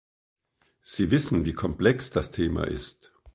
Sie wissen, wie komplex das Thema ist.